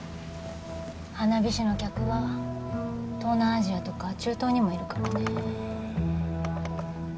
花火師の客は東南アジアとか中東にもいるからねえ